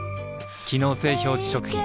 機能性表示食品